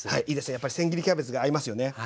やっぱりせん切りキャベツが合いますよね。